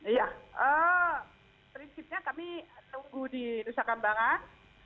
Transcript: iya prinsipnya kami tunggu di nusa kambangan